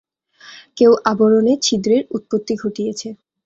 কেউ আবরণে ছিদ্রের উৎপত্তি ঘটিয়েছে।